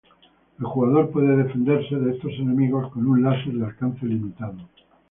El jugador puede defenderse de estos enemigos con un laser de alcance limitado.